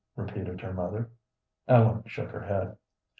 repeated her mother. Ellen shook her head.